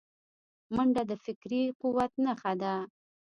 منډه د فکري قوت نښه ده